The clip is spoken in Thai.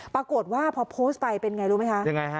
ปรากฏว่าพอโพสต์ไปเป็นอย่างไรรู้ไหมคะ